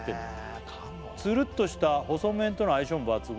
へえ鴨「つるっとした細麺との相性も抜群で」